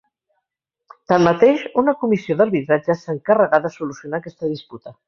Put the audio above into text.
Tanmateix, una comissió d'arbitratge s'encarregà de solucionar aquesta disputa.